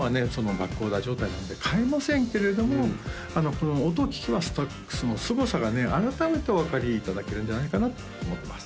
バックオーダー状態なんで買えませんけれどもこの音を聴きますとそのすごさがね改めてお分かりいただけるんじゃないかなと思ってます